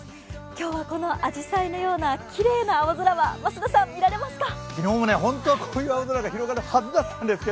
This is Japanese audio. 今日はこのあじさいのようなきれいな青空は増田さん、見られますか？